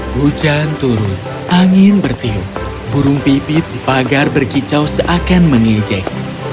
hujan turun angin bertiup burung pipit pagar berkicau seakan mengejek